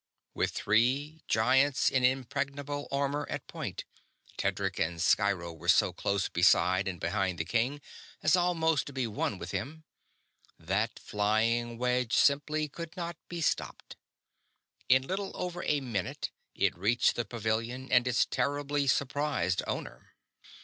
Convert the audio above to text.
_" With three giants in impregnable armor at point Tedric and Sciro were so close beside and behind the king as almost to be one with him that flying wedge simply could not be stopped. In little over a minute it reached the pavilion and its terribly surprised owner.